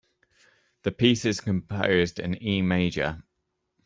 The piece is composed in E major.